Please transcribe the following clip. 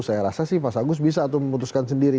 saya rasa sih mas agus bisa tuh memutuskan sendiri